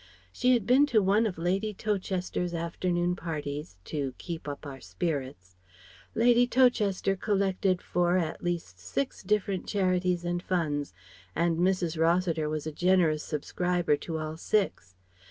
She had been to one of Lady Towcester's afternoon parties "to keep up our spirits." Lady Towcester collected for at least six different charities and funds, and Mrs. Rossiter was a generous subscriber to all six.